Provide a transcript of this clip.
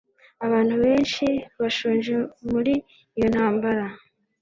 Abantu benshi bashonje muri iyo ntambara.